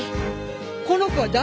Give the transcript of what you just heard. この子は誰？